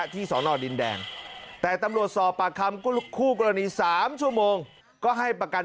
ที่สอนอดดินแดงแต่ตำรวจสอบปากคำ